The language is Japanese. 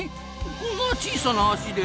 こんな小さな足で？